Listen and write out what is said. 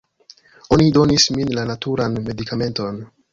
Oni donis min la naturan medikamenton